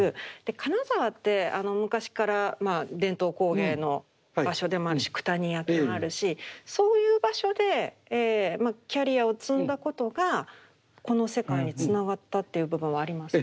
金沢って昔から伝統工芸の場所でもあるし九谷焼もあるしそういう場所でキャリアを積んだことがこの世界につながったっていう部分はありますか？